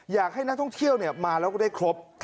อยากให้นักท่องเที่ยวมาแล้วก็ได้ครบ